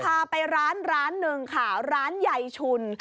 จะพาไปร้านร้านหนึ่งค่ะร้านไยชุณ